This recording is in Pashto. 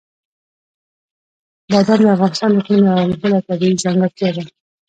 بادام د افغانستان د اقلیم یوه بله طبیعي ځانګړتیا ده.